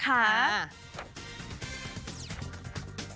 ข่าระ